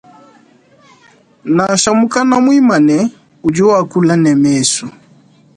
Nansha mukana muimane udi wakula ne mesu.